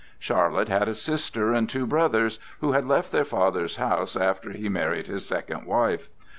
Charlotte had a sister and two brothers, who had left their father's house after he married his second wife.